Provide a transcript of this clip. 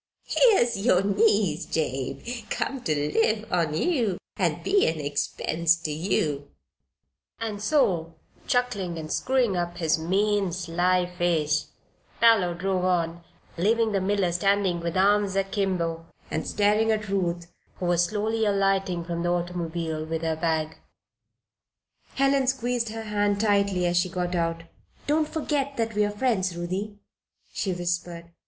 Here's yer niece, Jabe, come ter live on ye an' be an expense to ye," and so, chuckling and screwing up his mean, sly face, Parloe drove on, leaving the miller standing with arms akimbo, and staring at Ruth, who was slowly alighting from the automobile with her bag. Helen squeezed her hand tightly as she got out "Don't forget that we are your friends, Ruthie," she whispered.